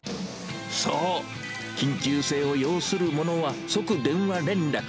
そう、緊急性を要するものは即電話連絡。